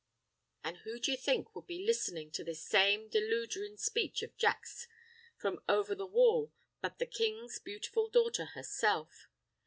An' who do ye think would be listenin' to this same deludherin' speech of Jack's, from over the wall, but the king's beautiful daughter herself.